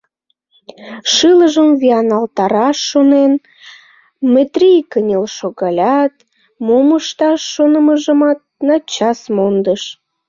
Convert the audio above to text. Шылыжым вийналтараш шонен, Метрий кынел шогалят, мом ышташ шонымыжымат начас мондыш.